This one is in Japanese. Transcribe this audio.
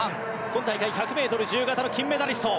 今大会、１００ｍ自由形の金メダリスト。